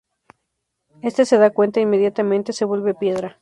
Este se da cuenta e inmediatamente se vuelve piedra.